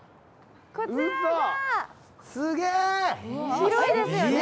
広いですよね。